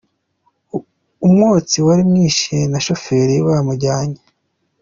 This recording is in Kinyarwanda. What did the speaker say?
Umwotsi wari mwishi na shoferi bamujyanye.